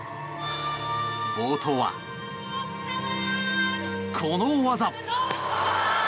冒頭はこの大技。